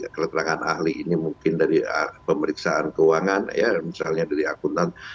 keterangan ahli ini mungkin dari pemeriksaan keuangan ya misalnya dari akuntan